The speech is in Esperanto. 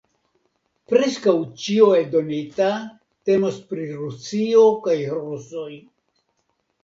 Preskaŭ ĉio eldonita temas pri Rusio kaj rusoj.